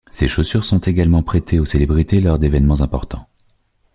Ses chaussures sont également prêtées aux célébrités lors d'évènements importants.